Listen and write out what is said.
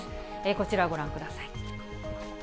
こちらご覧ください。